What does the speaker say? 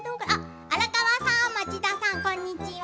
荒川さん町田さん、こんにちは。